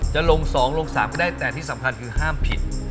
จะลง๒ลง๓ก็ได้แต่ที่สำคัญคือห้ามผิด